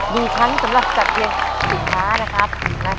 มีชั้นสำหรับจัดเพลงสินค้านะครับ